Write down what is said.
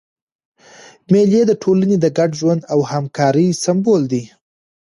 مېلې د ټولني د ګډ ژوند او همکارۍ سېمبول دي.